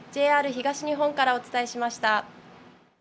ＪＲ東日本からお伝えしました。